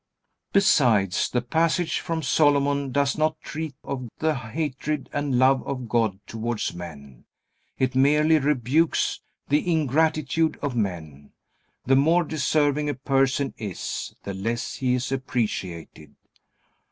Besides, the passage from Solomon does not treat of the hatred and love of God towards men. It merely rebukes the ingratitude of men. The more deserving a person is, the less he is appreciated.